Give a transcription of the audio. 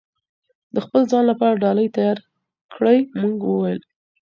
د خپل ځان لپاره ډال تيار کړئ!! مونږ وويل: